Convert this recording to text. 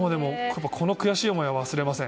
この悔しい思いは忘れません。